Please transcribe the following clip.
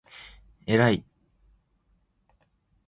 えらい！！！！！！！！！！！！！！！